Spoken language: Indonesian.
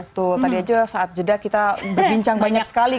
betul tadi aja saat jeda kita berbincang banyak sekali